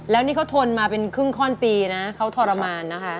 แล้วนี่เขาทนมาเป็นครึ่งข้อนปีนะเขาทรมานนะคะ